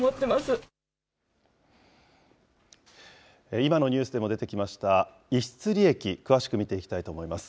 今のニュースでも出てきました、逸失利益、詳しく見ていきたいと思います。